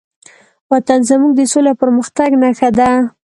وطن زموږ د سولې او پرمختګ نښه ده.